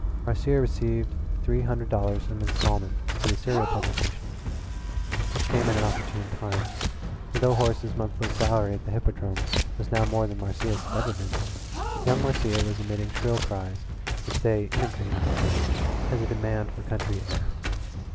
Marcia received three hundred dollars an instalment for the serial publication, which came at an opportune time, for though Horace's monthly salary at the Hippodrome was now more than Marcia's had ever been, young Marcia was emitting shrill cries which they interpreted as a demand for country air.